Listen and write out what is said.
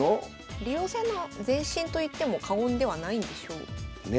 竜王戦の前身といっても過言ではないんでしょう。ね。